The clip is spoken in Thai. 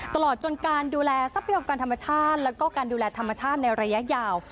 ตลอดจนการดูแลทรัพยากรธรรมชาติแล้วก็การดูแลธรรมชาติในระยะยาว